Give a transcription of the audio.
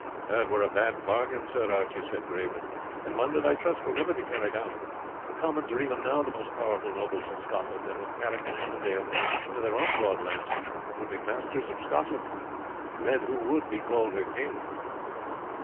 "It were a bad bargain, sir," Archie said gravely; "and one that I trust will never be carried out. The Comyns are even now the most powerful nobles in Scotland, and with Carrick and Annandale in addition to their own broad lands, would be masters of Scotland, let who would be called her king.